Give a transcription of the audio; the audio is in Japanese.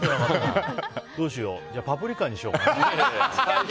どうしようじゃあ「パプリカ」にしようかな。